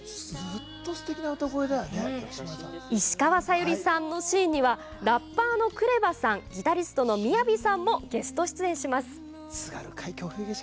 石川さゆりさんのシーンにはラッパーのＫＲＥＶＡさんギタリストのＭＩＹＡＶＩさんもゲスト出演します